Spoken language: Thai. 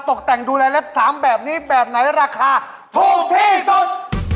ตกแต่งดูแลเล็บ๓แบบนี้แบบไหนราคาถูกที่สุด